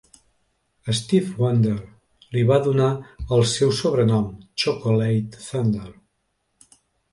Stevie Wonder li va donar el seu sobrenom, "Chocolate Thunder".